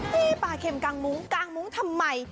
นี่ปลาเข็มกางมุ้งกางมุ้งทำไม